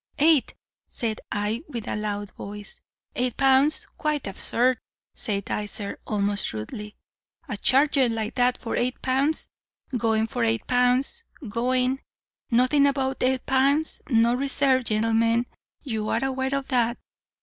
"'Eight,' said I, with a loud voice. "'Eight pounds, quite absurd,' said Dycer, almost rudely; 'a charger like that for eight pounds going for eight pounds going nothing above eight pounds no reserve, gentlemen, you are aware of that.